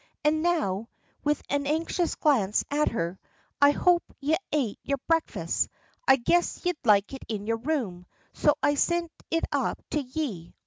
"An' now," with an anxious glance at her, "I hope ye ate yer breakfast. I guessed ye'd like it in yer room, so I sint it up to ye.